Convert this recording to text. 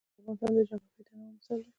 یاقوت د افغانستان د جغرافیوي تنوع مثال دی.